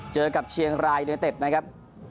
เจอกับเชียงไรเนื้อเต็ปนะครับ